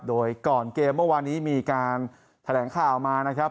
โดยก่อนเกมเมื่อวานนี้มีการแถลงข่าวมานะครับ